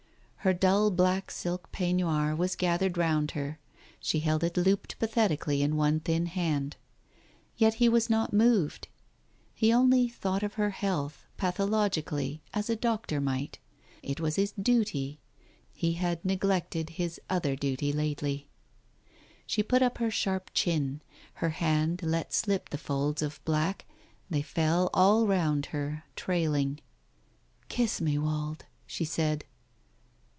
Her dull black silk peignoir was gathered round her ; she held it looped pathetically in one thin hand. Yet he was not moved. He only thought of her health, pathologically, as a doctor might. It was his duty. He had neglected his other duty lately. She put up her sharp chin. Her hand let slip the folds of black, they fell all round her, trailing. ... "Kiss me, Wald !" she said.